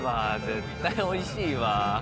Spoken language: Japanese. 絶対おいしいわ。